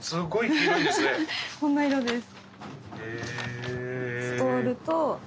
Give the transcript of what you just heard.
こんな色です。